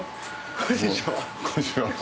こんにちは。